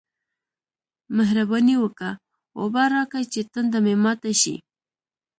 مهرباني وکه! اوبه راکه چې تنده مې ماته شي